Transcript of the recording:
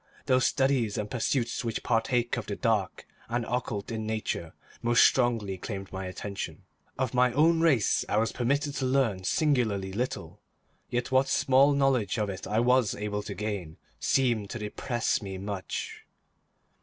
Those studies and pursuits which partake of the dark and occult in nature most strongly claimed my attention. Of my own race I was permitted to learn singularly little, yet what small knowledge of it I was able to gain, seemed to depress me much.